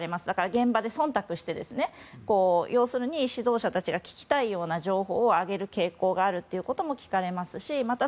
現場で忖度して指導者たちが聞きたい情報を上げる傾向があるということも聞かれますしまた、